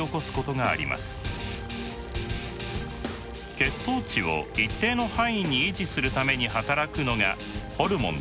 血糖値を一定の範囲に維持するために働くのがホルモンです。